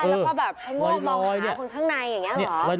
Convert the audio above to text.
แล้วก็แบบให้ม่วงมองขาคนข้างในอย่างนี้หรอ